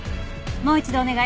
もう一度お願い。